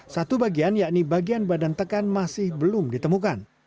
satu bagian yakni bagian badan tekan masih belum ditemukan